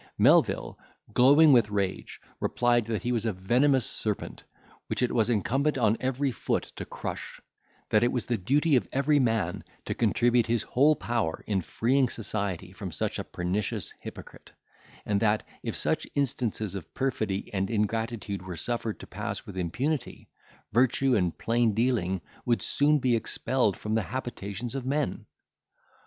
Melvil, glowing with rage, replied, that he was a venomous serpent, which it was incumbent on every foot to crush; that it was the duty of every man to contribute his whole power in freeing society from such a pernicious hypocrite; and that, if such instances of perfidy and ingratitude were suffered to pass with impunity, virtue and plain dealing would soon be expelled from the habitations of men.